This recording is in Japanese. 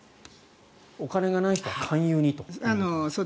お金がない人は勧誘にと。